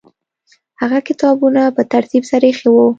هغه کتابونه په ترتیب سره ایښي وو.